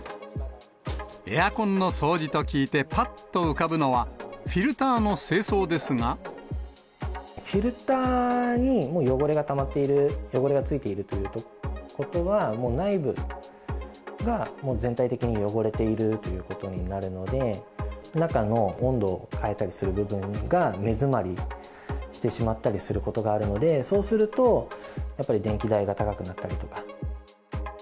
エアコンの掃除と聞いて、ぱっと浮かぶのは、フィルターにもう汚れがたまっている、汚れがついているということは、もう内部が全体的に汚れているということになるので、中の温度を変えたりする部分が目詰まりしてしまったりすることがあるので、そうすると、やっぱり電気代が高くなったりとか。